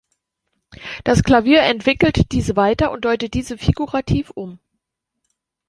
Das Klavier entwickelt diese weiter und deutet diese figurativ um.